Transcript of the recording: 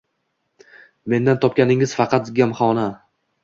Mendan topganingiz faqat gamhona